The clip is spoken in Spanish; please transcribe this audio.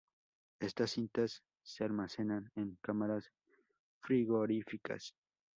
Estas cintas se almacenan en cámaras frigoríficas.